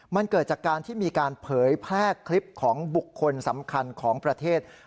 มันเกิดจากการที่มีการเผยแพร่คลิปของบุคคลสำคัญของประเทศ